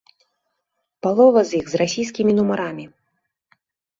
Палова з іх з расійскімі нумарамі.